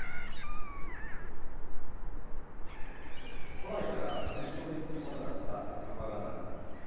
古来から戦争に付き物だったプロパガンダ。